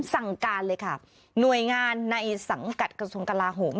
สั่งการเลยค่ะหน่วยงานในสังกัดกระทรวงกลาโหม